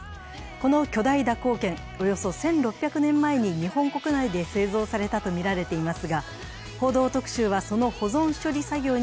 この巨大蛇行剣、およそ１６００年前に日本国内で製造されたとみられています。